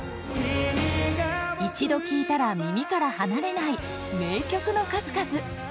一度聴いたら耳から離れない名曲の数々。